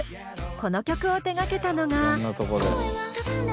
この曲を手がけたのが。